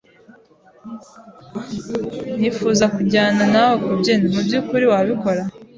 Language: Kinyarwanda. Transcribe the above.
"Nifuza kujyana nawe kubyina." "Mubyukuri? Wabikora?"